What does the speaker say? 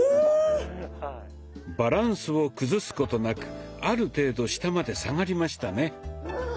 バランスを崩すことなくある程度下まで下がりましたね。